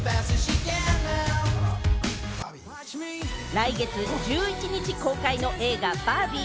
来月１１日公開の映画『バービー』。